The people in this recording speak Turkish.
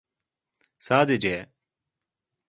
Sadece...